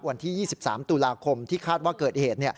วันที่๒๓ตุลาคมที่คาดว่าเกิดเหตุ